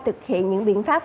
thực hiện những biện pháp